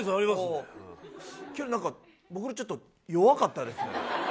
どうも、僕のちょっと弱かったですね。